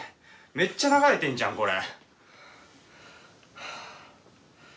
めっちゃ流れてるじゃん、これ。